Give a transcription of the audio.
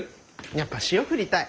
やっぱ塩振りたい。